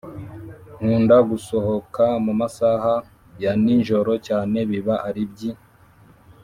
nkunda gusohoka mumasaha ya ni njoro cyane biba aribyi